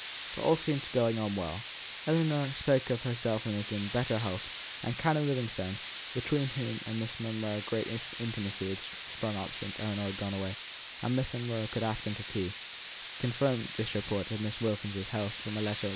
But all seemed going on well. Ellinor spoke of herself as in better health; and Canon Livingstone (between whom and Miss Monro great intimacy had sprung up since Ellinor had gone away, and Miss Monro could ask him to tea) confirmed this report of Miss Wilkins's health from a letter which he had received from Mrs. Forbes.